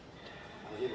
terima kasih pak